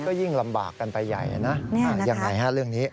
ก็ยิ่งลำบากกันไปใหญ่นะยังไงฮะเรื่องนี้